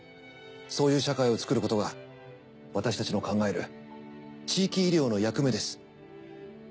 そういう社会を作ることが私たちの考える地域医療の役目です。